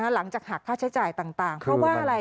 หลังจากหักค่าใช้จ่ายต่างเพราะว่าอะไร